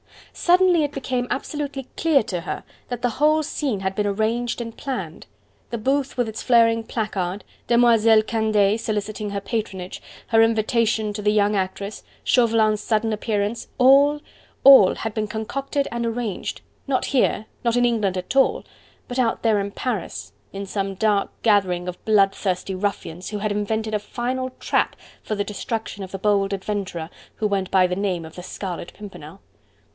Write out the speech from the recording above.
Suddenly it became absolutely clear to her that the whole scene had been arranged and planned: the booth with its flaring placard, Demoiselle Candeille soliciting her patronage, her invitation to the young actress, Chauvelin's sudden appearance, all, all had been concocted and arranged, not here, not in England at all, but out there in Paris, in some dark gathering of blood thirsty ruffians, who had invented a final trap for the destruction of the bold adventurer, who went by the name of the Scarlet Pimpernel.